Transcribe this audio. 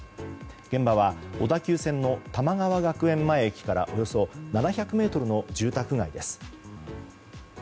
現場は小田急線の玉川学園前駅からおよそ７００ｍの住宅街です。